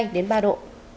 đến ba độ